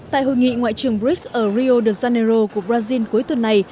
tại hội nghị ngoại trưởng brics ở rio de janeiro của brazil cuối tuần này